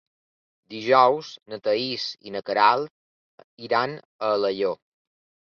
Dijous na Thaís i na Queralt iran a Alaior.